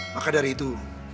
maka dari itu